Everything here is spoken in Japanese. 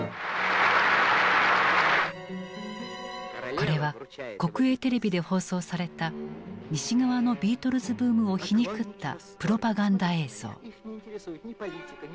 これは国営テレビで放送された西側のビートルズ・ブームを皮肉ったプロパガンダ映像。